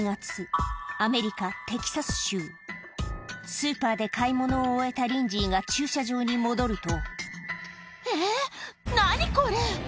スーパーで買い物を終えたリンジーが駐車場に戻るとえっ何⁉これ。